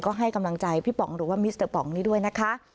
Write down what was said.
ก็ให้กำลังใจพี่ป๋องหรือว่ามิสเตอร์ป๋องนี้ด้วยนะคะ